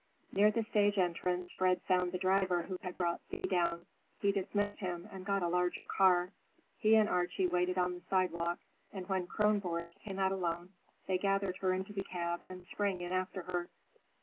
Near the stage entrance Fred found the driver who had brought Thea down. He dismissed him and got a larger car. He and Archie waited on the sidewalk, and when Kronborg came out alone they gathered her into the cab and sprang in after her.